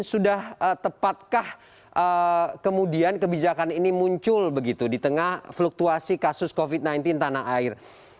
sudah tepatkah kemudian kebijakan ini muncul begitu di tengah fluktuasi kasus covid sembilan belas tanah air